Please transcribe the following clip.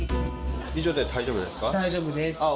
以上で大丈夫ですか？